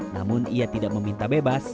namun ia tidak meminta bebas